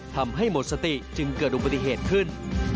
ทำให้หมดสติจึงเกิดอุบัติเหตุขึ้น